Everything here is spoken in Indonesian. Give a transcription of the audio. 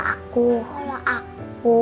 kalau aku ditungguin sama papa aku